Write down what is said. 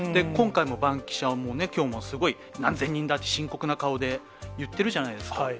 今回もバンキシャはきょうもすごい、何千人だって深刻な顔で言ってるじゃないですか。